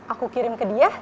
aku kirim ke dia